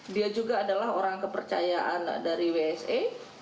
dia juga adalah orang kepercayaan dari wsa